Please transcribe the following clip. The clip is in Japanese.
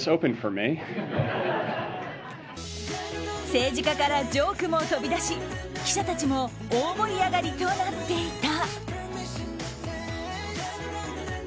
政治家からジョークも飛び出し記者たちも大盛り上がりとなっていた。